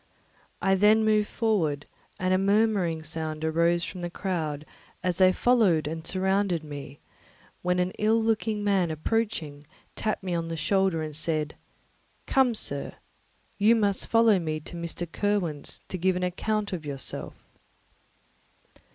I then moved forward, and a murmuring sound arose from the crowd as they followed and surrounded me, when an ill looking man approaching tapped me on the shoulder and said, "Come, sir, you must follow me to Mr. Kirwin's to give an account of yourself."